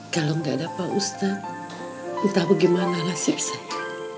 kalau nggak ada pak ustadz entah bagaimana nasib saya